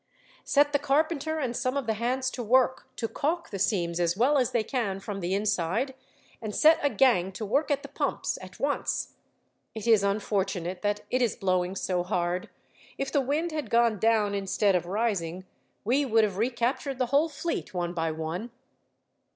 "Set the carpenter and some of the hands to work, to caulk the seams as well as they can from the inside, and set a gang to work at the pumps at once. It is unfortunate that it is blowing so hard. If the wind had gone down instead of rising, we would have recaptured the whole fleet, one by one."